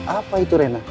apa itu rena